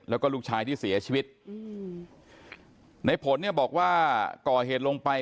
แล้วก็ลูกชายที่เสียชีวิตอืมในผลเนี่ยบอกว่าก่อเหตุลงไป